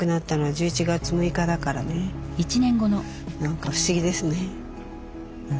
何か不思議ですね。